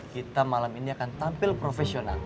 kita malam ini akan tampil profesional